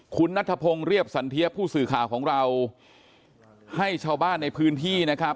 คุณนัทพงศ์เรียบสันเทียผู้สื่อข่าวของเราให้ชาวบ้านในพื้นที่นะครับ